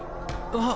あっ。